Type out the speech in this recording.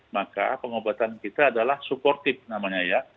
maka pengobatan kita adalah suportif namanya ya